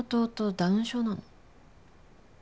ダウン症なの。